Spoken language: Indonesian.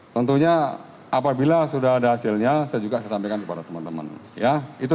tentunya apabila sudah ada hasilnya saya juga saya sampaikan kepada teman teman ya itu